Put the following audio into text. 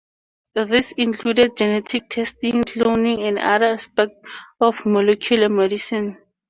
This included genetic testing, cloning and other aspects of molecular medicine.